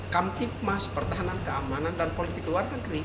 kamtipmas pertahanan keamanan dan politik luar negeri